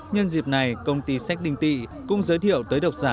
nhân dịp này công ty sách đinh tị cũng giới thiệu tới độc giả